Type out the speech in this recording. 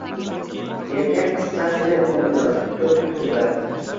Erkak qizchasining qoʻlidan tutib turdi.